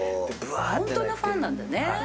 ホントのファンなんだね。